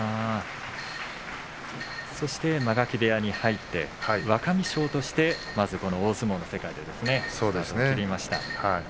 そして間垣部屋に入って若三勝として大相撲の世界で相撲を取りました。